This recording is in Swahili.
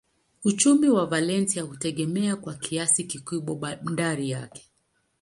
Uchumi wa Valencia hutegemea kwa kiasi kikubwa bandari yake.